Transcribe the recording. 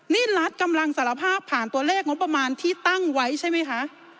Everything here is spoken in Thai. นี่รัฐกำลังสารภาพผ่านตัวเลขงบประมาณที่ตั้งไว้ใช่ไหมคะ